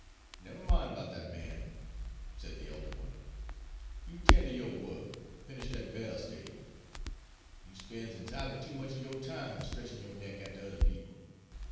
"Nev' min' 'bout dat man," said the elder one. "You 'ten' ter yo' wuk an' finish dat bairl stave. You spen's enti'ely too much er yo' time stretchin' yo' neck atter other people.